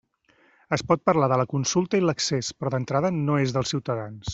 Es pot parlar de la consulta i l'accés, però d'entrada no és dels ciutadans.